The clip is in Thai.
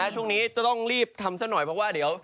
ช่วงนี้จะต้องรีบทำเงื่อนไวก่